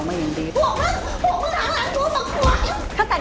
อย่าก้าว